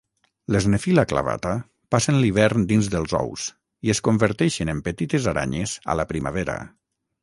Les "nephila clavata" passen l'hivern dins dels ous i es converteixen en petites aranyes a la primavera.